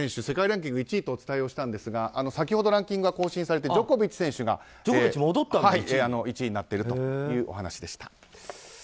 世界ランキング１位とお伝えしたんですが先ほどランキングが更新されてジョコビッチ選手が１位になっているというお話でした。